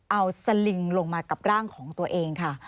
เอาสลิงลงมากับร่างของตัวเองค่ะ